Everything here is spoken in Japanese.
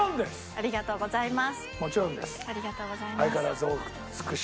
ありがとうございます。